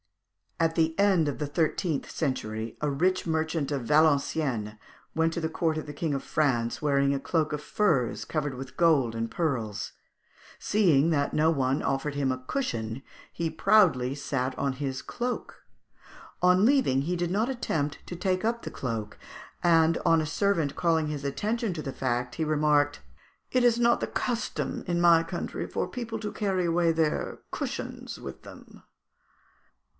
At the end of the thirteenth century, a rich merchant of Valenciennes went to the court of the King of France wearing a cloak of furs covered with gold and pearls; seeing that no one offered him a cushion, he proudly sat on his cloak. On leaving he did not attempt to take up the cloak; and on a servant calling his attention to the fact he remarked, "It is not the custom in my country for people to carry away their cushions with them."